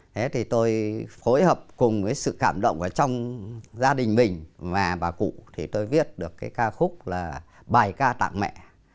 thế thì tôi phối hợp cùng với sự cảm động ở trong gia đình mình và bà cụ thì tôi viết được cái ca khúc là bài ca tặng mẹ